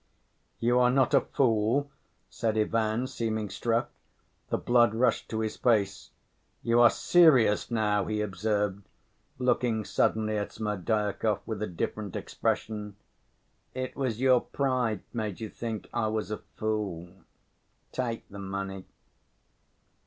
"You are not a fool," said Ivan, seeming struck. The blood rushed to his face. "You are serious now!" he observed, looking suddenly at Smerdyakov with a different expression. "It was your pride made you think I was a fool. Take the money."